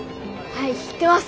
はい知ってます。